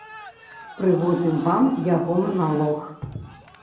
Прыводзім вам яго маналог.